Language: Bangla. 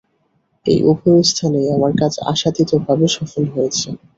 এই উভয় স্থানেই আমার কাজ আশাতীতভাবে সফল হয়েছে।